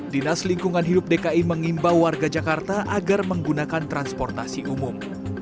dinas lingkungan hidup dki mengimbau warga jakarta agar menggunakan transportasi umum